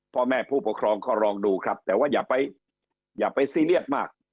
พ่อแม่ผู้ปกครองก็ลองดูครับแต่ว่าอย่าไปอย่าไปซีเรียสมาก